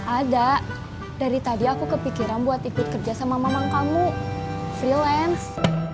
ada dari tadi aku kepikiran buat ikut kerja sama mamang kamu freelance